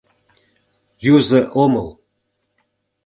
Юзо омыл.